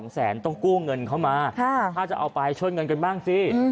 แสนต้องกู้เงินเข้ามาถ้าจะเอาไปช่วยเงินกันบ้างสิ